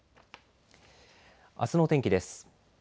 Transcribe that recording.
あすの天気です。